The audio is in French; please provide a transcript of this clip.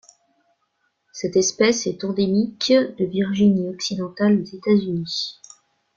Cette espèce est endémique de Virginie-Occidentale aux États-Unis.